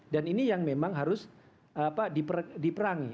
dan ini yang memang harus diperangi